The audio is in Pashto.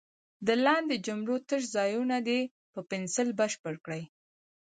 د لاندې جملو تش ځایونه دې په پنسل بشپړ کړي.